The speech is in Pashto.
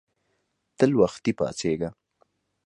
تل وختي پاڅیږه